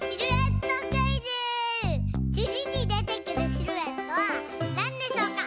つぎにでてくるシルエットはなんでしょうか？